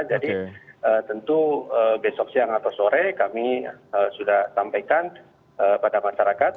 jadi tentu besok siang atau sore kami sudah sampaikan pada masyarakat